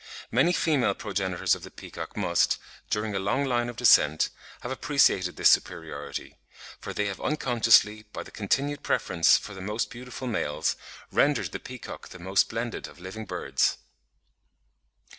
Many female progenitors of the peacock must, during a long line of descent, have appreciated this superiority; for they have unconsciously, by the continued preference for the most beautiful males, rendered the peacock the most splendid of living birds.